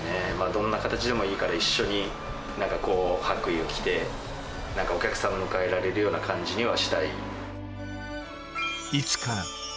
どんな形でもいいから、一緒に、なんかこう、白衣を着て、なんかお客さん迎えられるような感じにはしたい。